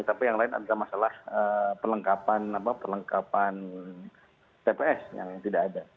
tapi yang lain adalah masalah perlengkapan tps yang tidak ada